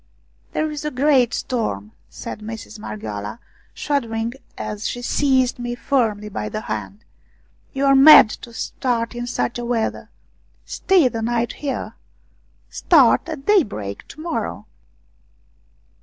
" There is a great storm," said Mistress Mar ghioala, shuddering as she seized me firmly by the hand. " You are mad to start in such weather. Stay the night here : start at daybreak to morrow."